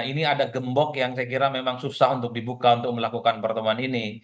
ini ada gembok yang saya kira memang susah untuk dibuka untuk melakukan pertemuan ini